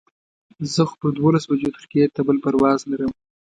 زه خو په دولس بجو ترکیې ته بل پرواز لرم.